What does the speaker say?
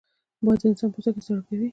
باد د انسان پوستکی ساړه کوي